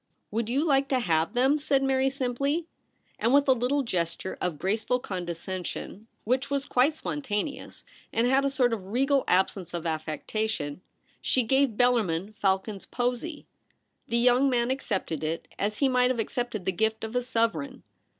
' Would you like to have them ?' said Mary simply ; and with a little gesture of graceful condescension, which was quite spon taneous, and had a sort of regal absence of affectation, she gave Bellarmin Falcon's posy. The young man accepted it as he might have accepted the gift of a sovereign.